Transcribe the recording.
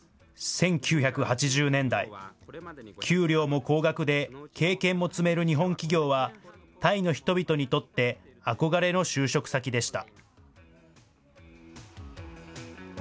１９８０年代、給料も高額で、経験も積める日本企業は、タイの人々にとって、憧れの就職先でした。